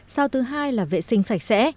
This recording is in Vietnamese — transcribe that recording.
sao thứ hai là vệ sinh sạch sẽ